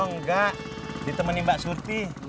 enggak ditemani mbak surti